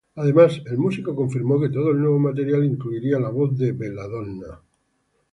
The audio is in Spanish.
Además, el músico confirmó que todo el nuevo material incluiría la voz de Belladonna.